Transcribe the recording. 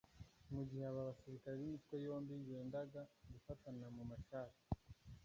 mu gihe aba basirikare b’imitwe yombi bendaga gufatana mu mashati